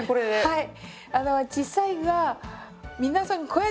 はい。